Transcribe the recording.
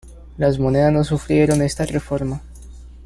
Las monedas no sufrieron esta reforma.